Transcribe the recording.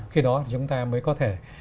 khi đó chúng ta mới có thể